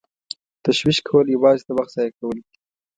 تشویش کول یوازې د وخت ضایع کول دي.